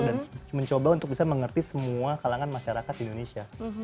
dan mencoba untuk bisa mengerti semua kalangan masyarakat di indonesia